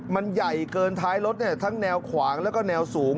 มันใหญ่เกินท้ายรถทั้งแนวขวางแล้วก็แนวสูง